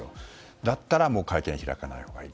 だったら、会見を開かないほうがいい。